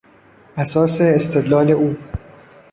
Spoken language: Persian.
اساس استدلال او